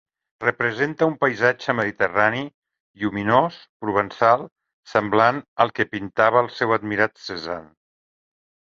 Representa un paisatge mediterrani, lluminós, provençal, semblant al que pintava el seu admirat Cézanne.